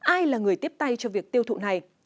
ai là người tiếp tay cho việc tiêu thụ này